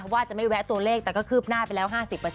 ว่าจะไม่แวะตัวเลขแต่ก็คืบหน้าไปแล้ว๕๐